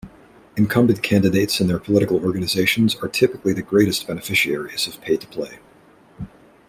Incumbent candidates and their political organizations are typically the greatest beneficiaries of Pay-to-Play.